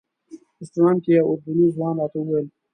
رسټورانټ کې یو اردني ځوان راته وویل.